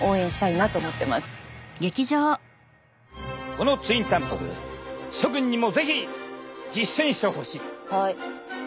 このツインたんぱく諸君にも是非実践してほしい。